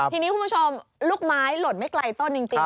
ทีนี้คุณผู้ชมลูกไม้หล่นไม่ไกลต้นจริง